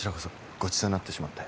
ごちそうになってしまって